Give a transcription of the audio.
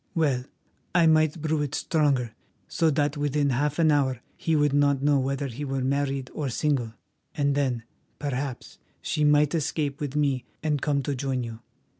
Well, I might brew it stronger so that within half an hour he would not know whether he were married or single, and then, perhaps, she might escape with me and come to join you.